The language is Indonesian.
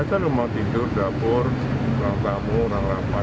biasa rumah tidur dapur orang tamu orang rapat